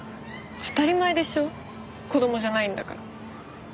当たり前でしょ子供じゃないんだから。